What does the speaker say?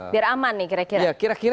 biar aman nih kira kira